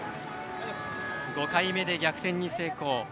５回目で逆転に成功。